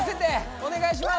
おねがいします！